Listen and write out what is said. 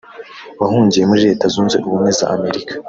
wahungiye muri Leta Zunze Ubumwe z’Amerika